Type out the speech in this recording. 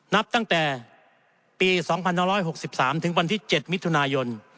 นับตั้งแต่ปี๒๑๖๓ถึงวันที่๗มิถุนายน